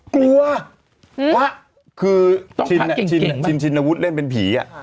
กลัวพระคือชินอาวุธเล่นเป็นผี